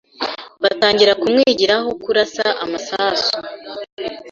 batangira kumwigiraho kurasa amasasu